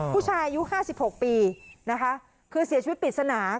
ผู้ชายอายุ๕๖ปีนะคะคือเสียชีวิตปริศนา